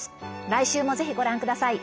来週もぜひご覧ください。